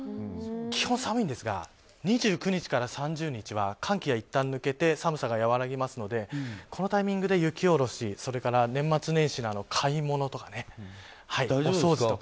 基本、寒いんですが２９日から３０日は寒気はいったん抜けて寒さが和らぎますのでこのタイミングで、雪下ろし年末年始の買い物とかお掃除とか。